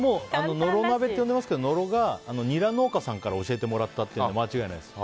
野呂鍋って呼んでますけど野呂がニラ農家さんから教えてもらったというので間違いないです。